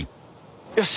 よし。